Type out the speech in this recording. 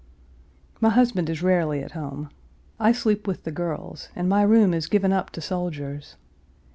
My husband is rarely at home. I sleep with the girls, and my room is given up to soldiers.